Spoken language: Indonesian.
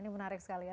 ini menarik sekali ya